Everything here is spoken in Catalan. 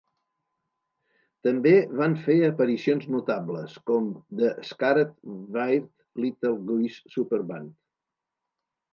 També van fer aparicions notables com The Scared Weird Little Guys Superband.